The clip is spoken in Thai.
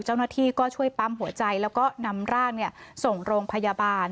เจ้าหน้าที่ก็ช่วยปั๊มหัวใจแล้วก็นำร่างส่งโรงพยาบาล